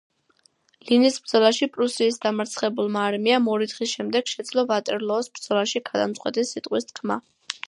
ლინის ბრძოლაში პრუსიის დამარცხებულმა არმიამ ორი დღის შემდეგ შეძლო ვატერლოოს ბრძოლაში გადამწყვეტი სიტყვის თქმა.